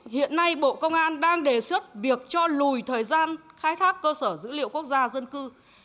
hiện nay bộ công an đang đề xuất việc cho lùi thời gian khai thác cơ sở dữ liệu quốc gia dân cư